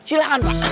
terima kasih pak